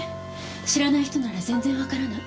知らない人なら全然わからない。